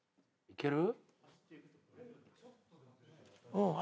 いける？